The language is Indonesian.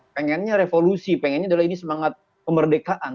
pengennya revolusi pengennya semangat kemerdekaan